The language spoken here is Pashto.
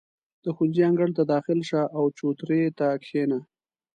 • د ښوونځي انګړ ته داخل شه، او چوترې ته کښېنه.